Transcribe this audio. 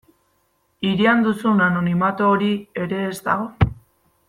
Hirian duzun anonimatu hori ere ez dago.